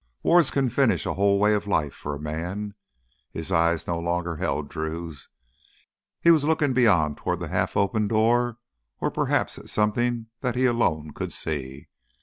Wars can finish a whole way of life for a man...." His eyes no longer held Drew's; he was looking beyond toward the half open door or perhaps at something that he alone could see.